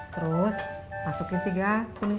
terus masukin tiga kuning